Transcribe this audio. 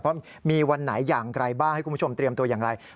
เพราะมีวันไหนอย่างไรบ้างให้คุณผู้ชมเตรียมตัวอย่างไร